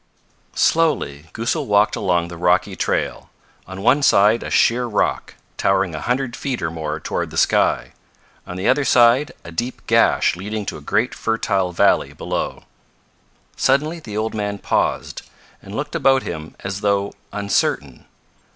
Slowly Goosal walked along the rocky trail, on one side a sheer rock, towering a hundred feet or more toward the sky. On the other side a deep gash leading to a great fertile valley below. Suddenly the old man paused, and looked about him as though uncertain.